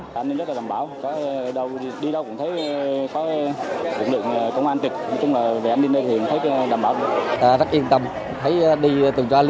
tạm biệt là đảm bảo đi đâu cũng thấy có lực lượng công an tịch